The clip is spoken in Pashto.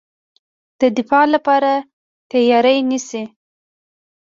د دفاع لپاره تیاری نیسي.